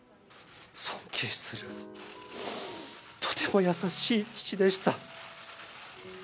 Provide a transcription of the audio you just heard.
尊敬するとても優しい父でした。